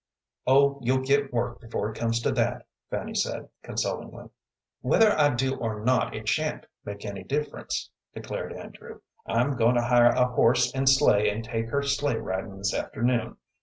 "Oh, you'll get work before it comes to that," Fanny said, consolingly. "Whether I do or not, it sha'n't make any difference," declared Andrew. "I'm goin' to hire a horse and sleigh and take her sleigh ridin' this afternoon.